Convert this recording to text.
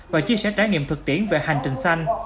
và chia sẻ trải nghiệm thực tiễn về hành trình xanh